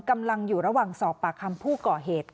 กำลังอยู่ระหว่างสอบปากคำผู้ก่อเหตุ